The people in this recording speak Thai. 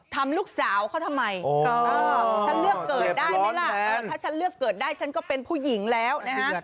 ทำลูกสาวเขาทำไมฉันเลือกเกิดได้ไหมล่ะถ้าฉันเลือกเกิดได้ฉันก็เป็นผู้หญิงแล้วนะฮะ